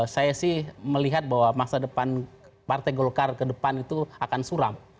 saya sih melihat bahwa masa depan partai golkar ke depan itu akan suram